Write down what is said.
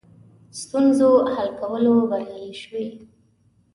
ستونزو حل کولو بریالي شوي.